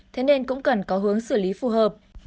thế nên cũng cần có hướng xử lý phù hợp